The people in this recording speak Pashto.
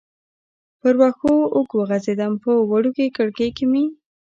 پر وښو اوږد وغځېدم، په وړوکې کړکۍ کې مې.